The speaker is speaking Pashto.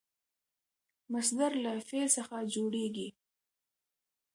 مصدر له فعل څخه جوړېږي.